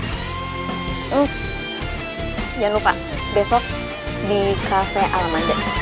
jangan lupa besok di cafe alam anja